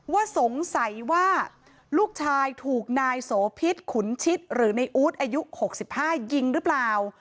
ว่าสงสัยว่าลูกชายถูกนายโสพิษขุนชิดหรือในอู๊ดอายุ๖๕ยิงหรือเปล่า